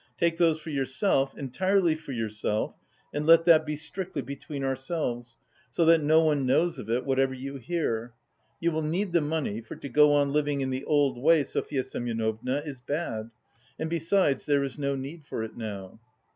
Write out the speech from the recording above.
Take those for yourself, entirely for yourself, and let that be strictly between ourselves, so that no one knows of it, whatever you hear. You will need the money, for to go on living in the old way, Sofya Semyonovna, is bad, and besides there is no need for it now."